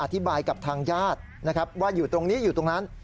อธิบายกับทางญาตินะครับว่าอยู่ตรงนี้อยู่ตรงนั้น